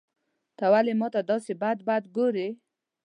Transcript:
ته ولي ماته داسي بد بد ګورې.